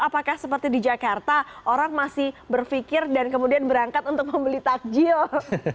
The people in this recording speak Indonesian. apakah seperti di jakarta orang masih berpikir dan kemudian berangkat untuk membeli takjil